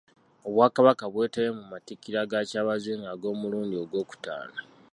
Obwakabaka bwetabye ku Matikkira ga Kyabazinga ag'omulundi ogwokutaano